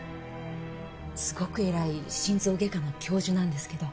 すごく偉い心臓外科の教授なんですけど。